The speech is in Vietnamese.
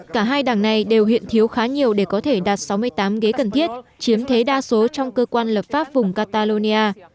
cả hai đảng này đều hiện thiếu khá nhiều để có thể đạt sáu mươi tám ghế cần thiết chiếm thế đa số trong cơ quan lập pháp vùng catalonia